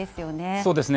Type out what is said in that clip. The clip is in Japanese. そうですね。